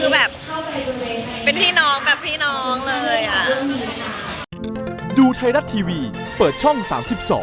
คือแบบเป็นพี่น้องแบบพี่น้องเลยอ่ะ